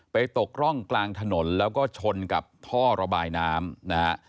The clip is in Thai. ตกร่องกลางถนนแล้วก็ชนกับท่อระบายน้ำนะฮะ